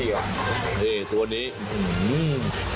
นี่ตัวนี้